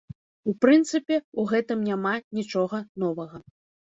У прынцыпе, у гэтым няма нічога новага.